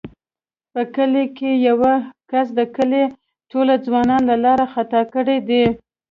په کلي کې یوه کس د کلي ټوله ځوانان له لارې خطا کړي دي.